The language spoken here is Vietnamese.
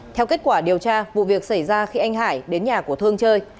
theo kết quả điều tra vụ việc xảy ra khi anh hải đến nhà của thương chơi